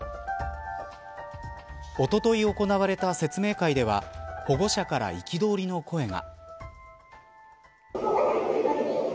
おととい行われた説明会では保護者から憤りの声が。